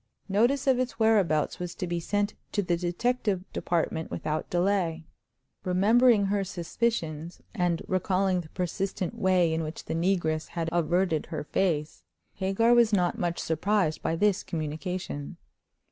Notice of its whereabouts was to be sent to the Detective Department without delay. Remembering her suspicions, and recalling the persistent way in which the negress had averted her face, Hagar was not much surprised by this communication.